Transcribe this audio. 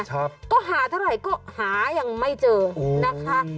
ครับก็หาเท่าไหร่ก็หายังไม่เจอนะคะ